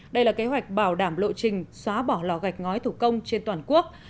đây là kế hoạch bảo đảm lộ trình xóa bỏ lò gạch ngói thủ công trên toàn quốc